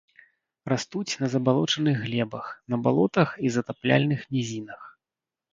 Растуць на забалочаных глебах, на балотах і затапляльных нізінах.